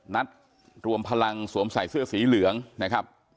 นัดรวมพลังสวมใส่เสื้อสีเหลืองนะครับ